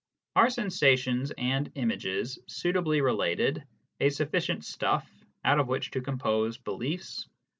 Are sensations and images, suitably related, a sufficient stuff out of which to compose beliefs